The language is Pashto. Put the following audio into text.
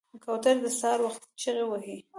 کوتره د سهار وختي چغې وهي.